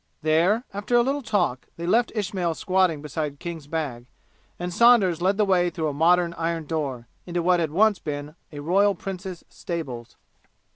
There, after a little talk, they left Ismail squatting beside King's bag, and Saunders led the way through a modern iron door, into what had once been a royal prince's stables.